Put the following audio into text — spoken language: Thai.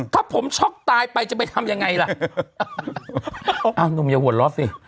ถ้าผมช็อกตายไปจะไปทำยังไงล่ะอ้าวหนุ่มอย่าหัวเราะสิ